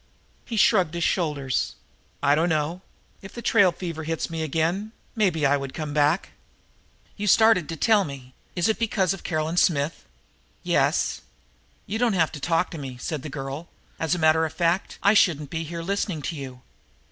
He shrugged his shoulders. "I dunno. If the trail fever hits me again maybe I would come back." "You started to tell me. It's because of Caroline Smith?" "Yes." "You don't have to talk to me," said the girl. "As a matter of fact I shouldn't be here listening to you.